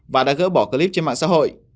và đã gỡ bỏ clip trên mạng xã hội